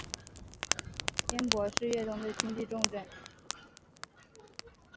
庵埠是粤东的经济重镇。